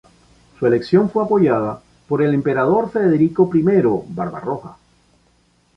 Su elección fue apoyada por el emperador Federico I Barbarroja.